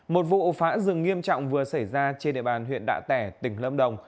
một vụ phá rừng nghiêm trọng vừa xảy ra trên địa bàn huyện đạ tẻ tỉnh lâm đồng